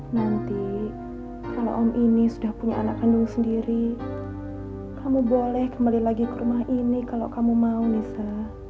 nanti kalau om ini sudah punya anak kandung sendiri kamu boleh kembali lagi ke rumah ini kalau kamu mau nisa